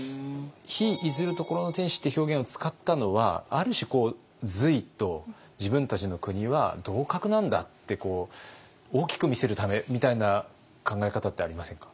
「日出ずる処の天子」って表現を使ったのはある種こう隋と自分たちの国は同格なんだって大きく見せるためみたいな考え方ってありませんか？